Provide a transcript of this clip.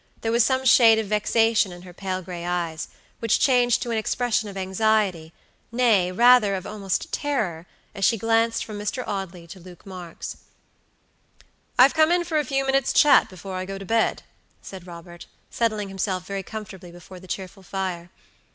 There was some shade of vexation in her pale gray eyes, which changed to an expression of anxietynay, rather of almost terroras she glanced from Mr. Audley to Luke Marks. "I have come in for a few minutes' chat before I go to bed," said Robert, settling himself very comfortably before the cheerful fire.